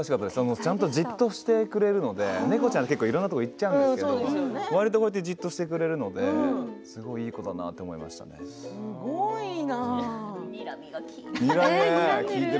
ちゃんとじっとしてくれるので猫ちゃん、いろいろなところに行っちゃうんですけれどわりとじっとしてくれているのでにらみがきいてる。